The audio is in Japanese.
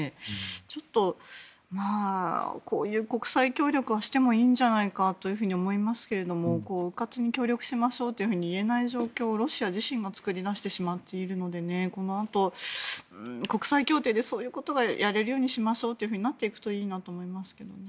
ちょっとこういう国際協力はしてもいいんじゃないかなと思いますけれどうかつに協力しましょうと言えない状況をロシア自身が作り出してしまっているのでこのあと国際協定でそういうことがやれるようにしましょうとなっていくといいなと思いますけどね。